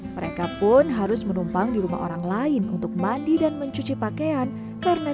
mereka pun harus menumpang di rumah orang lain untuk mandi dan mencuci pakaian karena